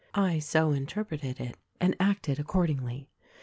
"I so interpreted it and acted accordingly.